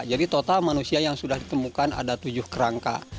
jadi total manusia yang sudah ditemukan ada tujuh kerangka